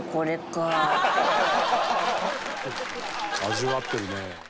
「味わってるね」